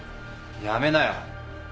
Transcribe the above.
やめなよ。